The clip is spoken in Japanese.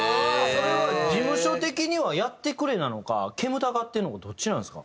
それは事務所的にはやってくれなのか煙たがってるのかどっちなんですか？